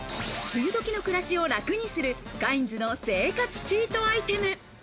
梅雨どきの暮らしを楽にするカインズの生活チートアイテム。